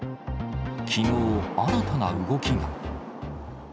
きのう、新たな動きが。